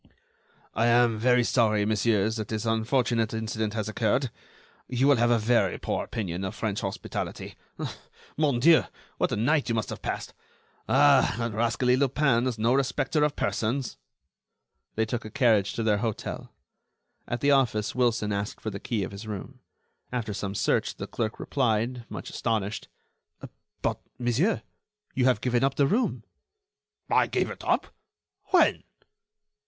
"I am very sorry, messieurs, that this unfortunate incident has occurred. You will have a very poor opinion of French hospitality. Mon Dieu! what a night you must have passed! Ah! that rascally Lupin is no respecter of persons." They took a carriage to their hotel. At the office Wilson asked for the key of his room. After some search the clerk replied, much astonished: "But, monsieur, you have given up the room." "I gave it up? When?"